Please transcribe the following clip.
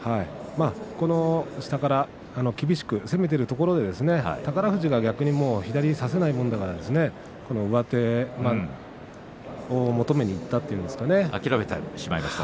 下から厳しく攻めているところで宝富士が逆に左、差せないものだから上手を求めにいったといいますか。